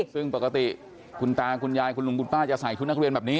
ซึ่งปกติคุณตาคุณยายคุณลุงคุณป้าจะใส่ชุดนักเรียนแบบนี้